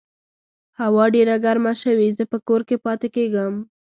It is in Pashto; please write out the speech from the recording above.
هوا ډېره ګرمه شوې، زه په کور کې پاتې کیږم